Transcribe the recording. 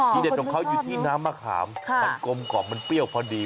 ให้เด็ดตรงเขายู่ที่น้ำมะขามค่ะมันกลมกรอบมันเปรี้ยวพอดี